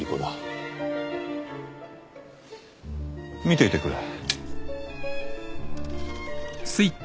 見ていてくれ。